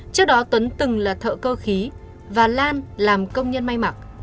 trước đó tuấn từng là thợ cơ khí và lan làm công nhân may mặc